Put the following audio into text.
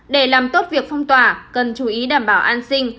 để làm tốt việc phong tỏa cần chú ý đảm bảo an sinh